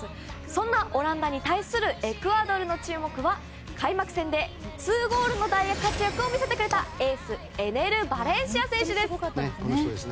そんなオランダに対するエクアドルの注目は開幕戦で２ゴールの大活躍を見せてくれたエースのエネル・バレンシア選手です。